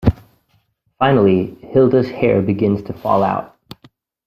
Finally, Hilda's hair begins to fall out.